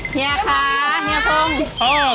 เฮียโพงเฮียค่ะเฮียโพง